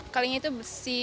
kalinya itu besi